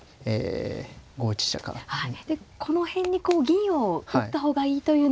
この辺にこう銀を打った方がいいというのは。